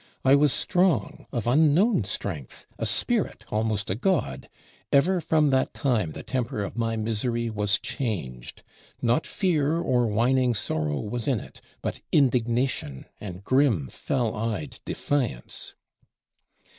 I was strong, of unknown strength; a spirit; almost a god: ever from that time the temper of my misery was changed; not fear or whining sorrow was in it, but indignation and grim, fell eyed defiance."